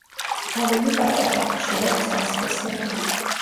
ყვავილი პატარაა, ხშირად ცალსქესიანი.